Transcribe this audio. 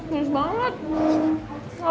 yaudah kamu yang gak pedes aja nih